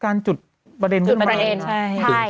การจุดประเด็นขึ้นมา